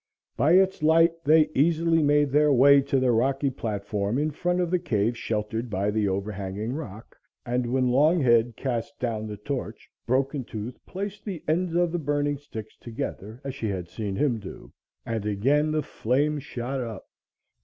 By its light they easily made their way to the rocky platform in front of the cave sheltered by the overhanging rock, and when Longhead cast down the torch Broken Tooth placed the ends of the burning sticks together as she had seen him do, and again the flame shot up.